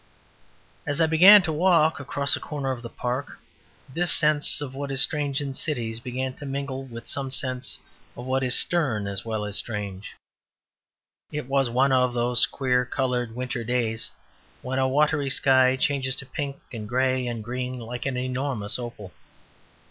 As I began to walk across a corner of the Park, this sense of what is strange in cities began to mingle with some sense of what is stern as well as strange. It was one of those queer coloured winter days when a watery sky changes to pink and grey and green, like an enormous opal.